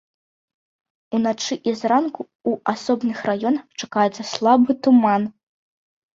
Уначы і зранку ў асобных раёнах чакаецца слабы туман.